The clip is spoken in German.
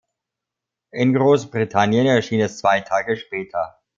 In Großbritannien erschien es zwei Tage später.